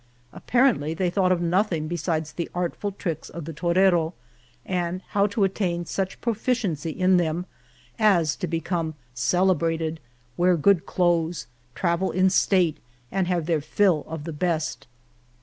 Apparently they thought of nothing besides the artful tricks of the torero, and how to attain such proficiency in them as to become celebrated, wear good clothes, travel in state, and have their fill of the best.